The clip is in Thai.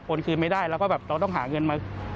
คืนไม่ได้แล้วก็แบบเราต้องหาเงินมา